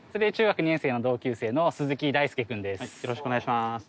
中学２年生の同級生の鈴木大介君です。